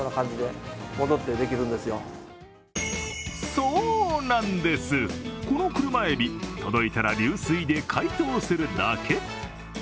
そうなんです、この車えび届いたら流水で解凍するだけ。